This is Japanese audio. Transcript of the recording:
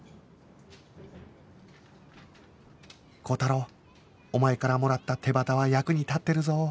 高太郎お前からもらった手旗は役に立ってるぞ